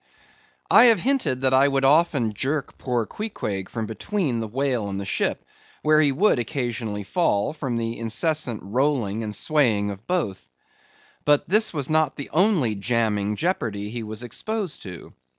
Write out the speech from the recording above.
I have hinted that I would often jerk poor Queequeg from between the whale and the ship—where he would occasionally fall, from the incessant rolling and swaying of both. But this was not the only jamming jeopardy he was exposed to.